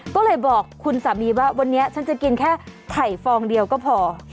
ก็เลยบอกคุณสามีว่าวันนี้ฉันจะกินแค่ไข่ฟองเดียวก็พอ